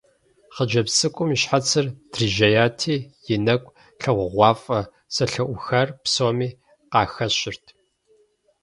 Хъыджэбз цӀыкӀум и щхьэцыр дрижьеяти, и нэкӀу лъагъугъуафӀэ зэлъыӀухар псоми къахэщырт.